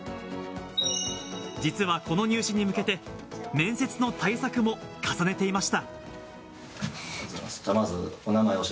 実はこの入試に向けて、面接の対策も重ねていました。